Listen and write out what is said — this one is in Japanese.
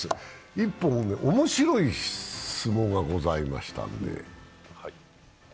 一本、面白い相撲がございましたので。